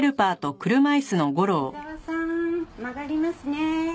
伊沢さーん曲がりますね。